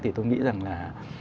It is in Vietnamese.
thì tôi nghĩ rằng là